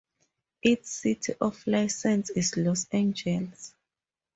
Its city of license is Los Angeles.